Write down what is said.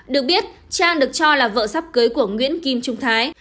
được biết trang được cho là vợ sắp cưới của nguyễn kim trung thái